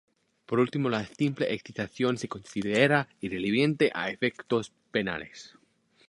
Por último, la simple excitación se considera irrelevante a efectos penales.